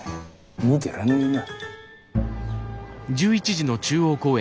見てらんねえな。